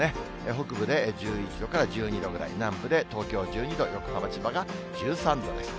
北部で１１度から１２度ぐらい、南部で東京１２度、横浜、千葉が１３度です。